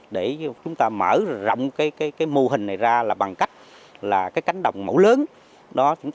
để chúng ta mở rộng cái mô hình này ra là bằng cách là cái cánh đồng mẫu lớn